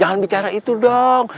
jangan bicara itu dong